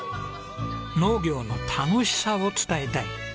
「農業の楽しさを伝えたい」